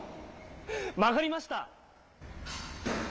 曲がりました。